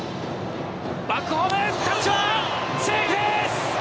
バックホーム、タッチはセーフ！